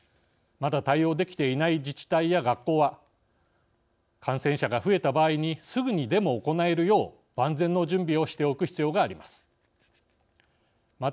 まだ対応できていない自治体や学校は感染者が増えた場合にすぐにでも行えるよう万全の準備をしておく必要があります。